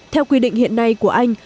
theo quy định hiện nay của anh